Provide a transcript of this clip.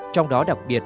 trong đó đặc biệt